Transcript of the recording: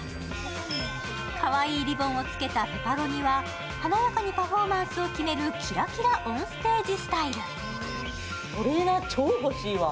かわいいリボンをつけたペパロニは、華やかにパフォーマンスを決めるキラキラオンステージスタイル。